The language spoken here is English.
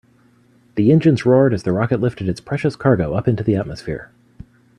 The engines roared as the rocket lifted its precious cargo up into the atmosphere.